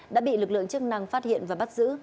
đã bị lực lượng chức năng phát hiện và bắt giữ